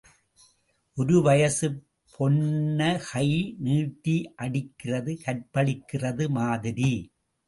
ஒரு வயசுப் பொண்ண கை நீட்டி அடிக்கிறது கற்பழிக்கிறது மாதிரி.